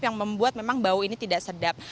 yang membuat memang bau ini tidak sedap